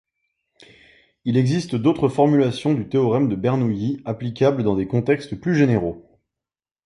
Il existe d'autres formulations du théorème de Bernoulli applicables dans des contextes plus généraux.